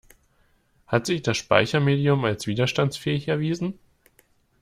Hat sich das Speichermedium als widerstandsfähig erwiesen?